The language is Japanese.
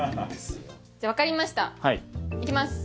じゃあ分かりました行きます。